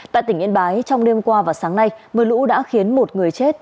tại tỉnh yên bái trong đêm qua và sáng nay mưa lũ đã khiến một người chết